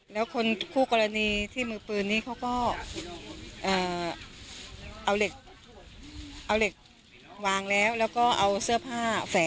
แต่คนที่อยู่ข้างเขาอะ